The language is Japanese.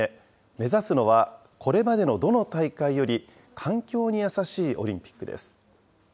目指すのはこれまでのどの大会より環境に優しいオリンピックです。